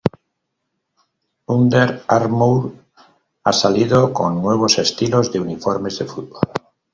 Under Armour ha salido con nuevos estilos de uniformes de fútbol.